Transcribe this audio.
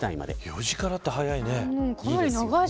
４時からって早いね。